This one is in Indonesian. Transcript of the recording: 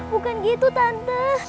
bukan gitu tante